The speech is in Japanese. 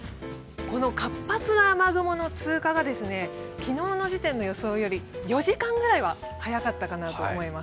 活発な雨雲の通過が昨日の時点の予想より４時間ぐらいは早かったかなと思います。